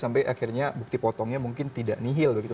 sampai akhirnya bukti potongnya mungkin tidak nihil begitu